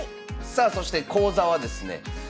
さあそして講座はですね